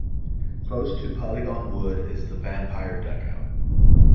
Close to Polygon Wood is the Vampire dugout.